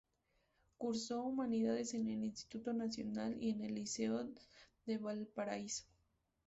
Cursó humanidades en el Instituto Nacional y en el Liceo de Valparaíso.